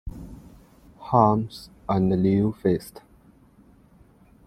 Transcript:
Harms, and Leo Feist.